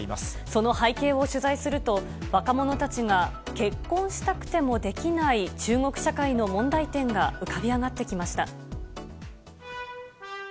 その背景を取材すると、若者たちが結婚したくてもできない中国社会の問題点が浮かび上がってきました。